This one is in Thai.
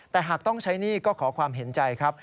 แต่หากต้องใช้หนี้ก็ขอความเห็นใจครับ